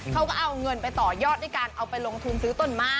เขาก็เอาเงินไปต่อยอดด้วยการเอาไปลงทุนซื้อต้นไม้